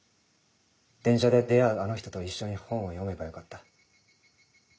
電車で出会うあの人と一緒に本を読めばよかった。